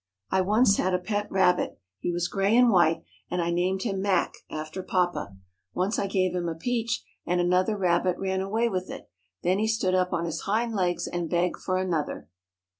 I once had a pet rabbit. He was gray and white, and I named him Mac, after papa. Once I gave him a peach, and another rabbit ran away with it; then he stood up on his hind legs and begged for another.